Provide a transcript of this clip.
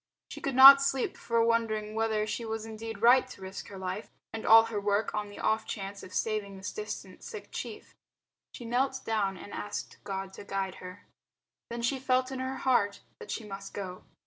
She could not sleep for wondering whether she was indeed right to risk her life and all her work on the off chance of saving this distant sick chief. She knelt down and asked God to guide her. Then she felt in her heart that she must go.